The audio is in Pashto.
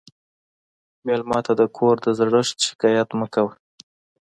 مېلمه ته د کور د زړښت شکایت مه کوه.